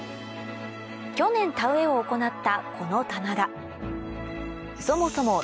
去年田植えを行ったこの棚田